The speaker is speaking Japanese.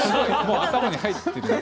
頭に入っている。